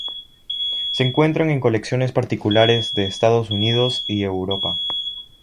Se encuentran en colecciones particulares de Estados Unidos y Europa.